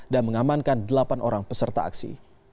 dan mengamankan delapan orang peserta aksi